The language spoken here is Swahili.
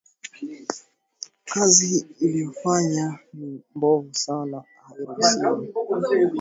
Kazi aliyofanya ni mbovu sana hairusiwi